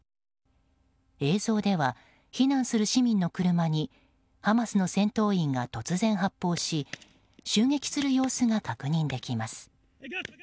映像では、避難する市民の車にハマスの戦闘員が突然発砲し襲撃する様子が確認できます。